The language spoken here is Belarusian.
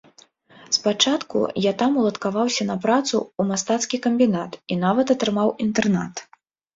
Спачатку я там уладкаваўся на працу ў мастацкі камбінат і нават атрымаў інтэрнат.